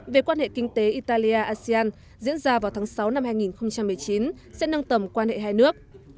về quan hệ kinh tế italia asean diễn ra vào tháng sáu năm hai nghìn một mươi chín sẽ nâng tầm quan hệ hai nước